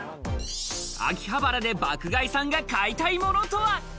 秋葉原で爆買いさんが買いたいものとは？